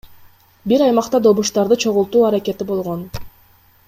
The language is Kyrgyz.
Бир аймакта добуштарды чогултуу аракети болгон.